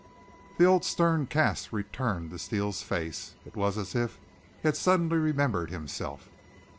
The old stern cast returned to Steele's face. It was as if he had suddenly remembered himself.